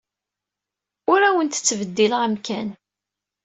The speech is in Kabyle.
Ur awent-ttbeddileɣ amkan.